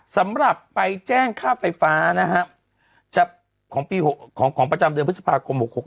สำหรับใบแจ้งค่าไฟฟ้าของประจำเดือนพฤษภาคม๖๖